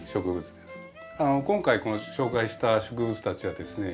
今回この紹介した植物たちはですね